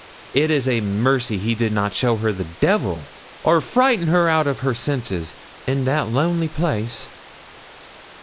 It is a mercy he did not show her the devil, or frighten her out of her senses, in that lonely place!'